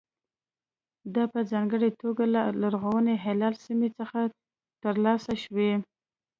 دا په ځانګړې توګه له زرغون هلال سیمې څخه ترلاسه شوي.